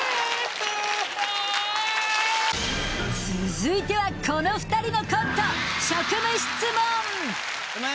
続いてはこの２人のコントごめん